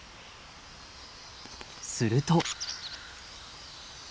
すると。